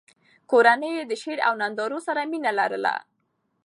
کورنۍ یې د شعر او نندارو سره مینه لرله.